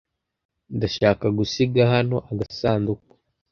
Ndashaka gusiga hano agasanduku.